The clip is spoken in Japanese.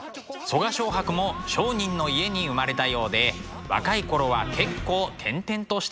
我蕭白も商人の家に生まれたようで若い頃は結構転々としていたみたいです。